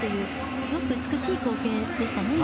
すごく美しい光景でしたね。